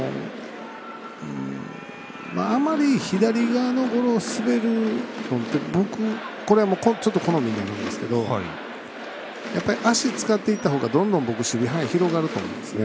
あまり左側のゴロを滑るのってこれは好みなんですけどやっぱり、足使っていったほうがどんどん守備範囲広がると思うんですね。